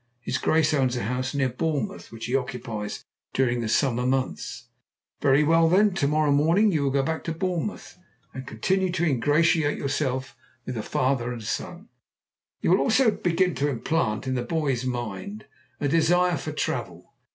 His Grace owns a house near Bournemouth, which he occupies during the summer months." "Very well then to morrow morning you will go back to Bournemouth and continue to ingratiate yourself with father and son. You will also begin to implant in the boy's mind a desire for travel.